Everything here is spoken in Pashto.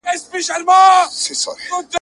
په لمنو کي د غرونو بس جونګړه کړو ودانه `